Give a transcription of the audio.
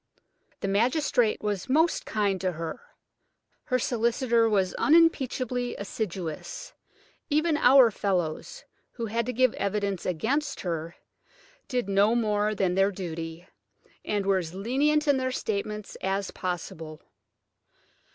The magistrate was most kind to her; her solicitor was unimpeachably assiduous; even our fellows, who had to give evidence against her, did no more than their duty, and were as lenient in their statements as possible.